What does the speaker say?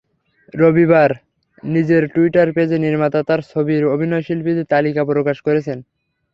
রবিবার, নিজের টুইটার পেজে নির্মাতা তাঁর ছবির অভিনয়শিল্পীদের তালিকা প্রকাশ করেছেন।